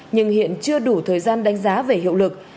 nhưng hiện chưa đủ thời gian đánh giá về hiệu lực